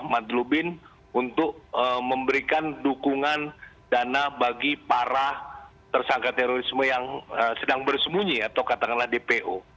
madlubin untuk memberikan dukungan dana bagi para tersangka terorisme yang sedang bersembunyi atau katakanlah dpo